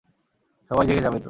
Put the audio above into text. সবাই জেগে যাবে তো!